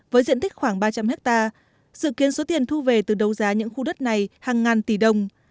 với diện tích khoảng ba trăm linh hectare dự kiến số tiền thu về từ đấu giá những khu đất này hàng ngàn tỷ đồng